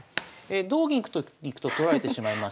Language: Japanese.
同銀いくと取られてしまいます。